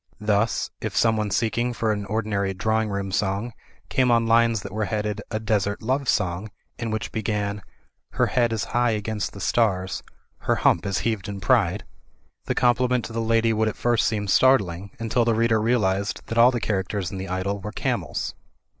Thus, if someone seeking for an ordinary drawing room song came on lines that were headed "A Desert Love Song,'* and which began — *Hler head is high against the stars. Her hump is heaved in pride," the compliment to the lady would at first seem start ling, until the reader realised that all the characters in the idyll were camels.